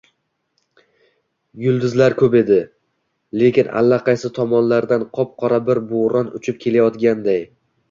Yulduz ko‘p edi, lekin allaqaysi tomonlardan qop-qora bir bo‘ron uchib kelayotganday